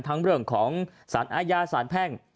ทั้งเรื่องของศาลอาญาศาลแพ่ง